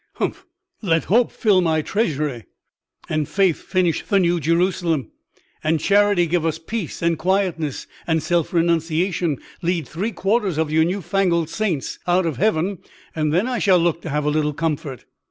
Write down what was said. "Humph! let hope fill my treasury, and faith finish the New Jerusalem, and charity give us peace and quietness, and self renunciation lead three quarters of your new fangled saints out of heaven; and then I shall look to have a little comfort."